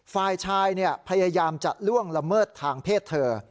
ฝ่ายชายพยายามจะล่วงละเมิดทางเพศเธอ